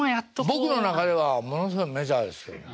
僕の中ではものすごいメジャーですけども。